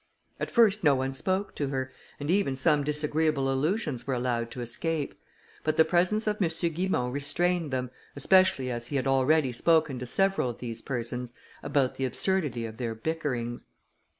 At first no one spoke to her, and even some disagreeable allusions were allowed to escape; but the presence of M. Guimont restrained them, especially as he had already spoken to several of these persons about the absurdity of their bickerings.